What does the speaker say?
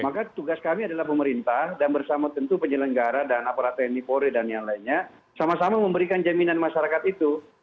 maka tugas kami adalah pemerintah dan bersama tentu penyelenggara dan aparat tni polri dan yang lainnya sama sama memberikan jaminan masyarakat itu